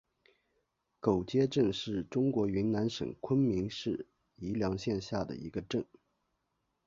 狗街镇是中国云南省昆明市宜良县下辖的一个镇。